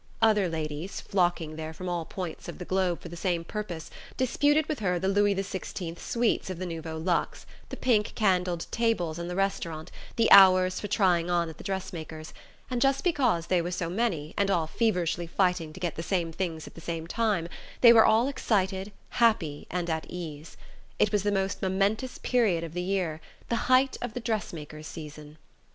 Other ladies, flocking there from all points of the globe for the same purpose, disputed with her the Louis XVI suites of the Nouveau Luxe, the pink candled tables in the restaurant, the hours for trying on at the dressmakers'; and just because they were so many, and all feverishly fighting to get the same things at the same time, they were all excited, happy and at ease. It was the most momentous period of the year: the height of the "dress makers' season."